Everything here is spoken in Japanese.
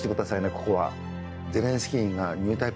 ここは。